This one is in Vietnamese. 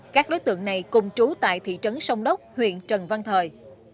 các đối tượng này cùng trú tại thị trấn sông đốc huyện trần văn thời